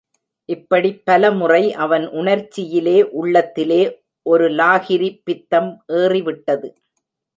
இப்படிப் பலமுறை அவன் உணர்ச்சியிலே உள்ளத்திலே ஒரு லாகிரி பித்தம் ஏறிவிட்டது.